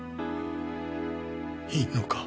いいのか？